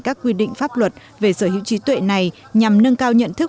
các quy định pháp luật về sở hữu trí tuệ này nhằm nâng cao nhận thức